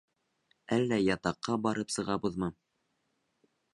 Әллә ятаҡҡа барып сығабыҙмы?